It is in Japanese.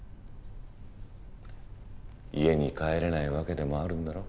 家に帰れない訳でもあるんだろ？